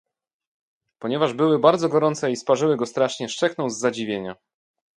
"Ponieważ były bardzo gorące i sparzyły go strasznie, szczeknął z zadziwienia."